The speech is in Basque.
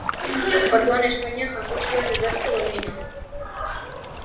Orduan Espainiak jaso zuen urrezko domina.